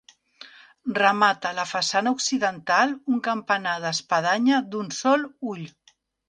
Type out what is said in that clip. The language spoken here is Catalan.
Remata la façana occidental un campanar d'espadanya d'un sol ull.